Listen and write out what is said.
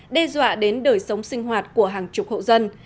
đe dọa đến đời sống sinh hoạt của hàng chục hộ dân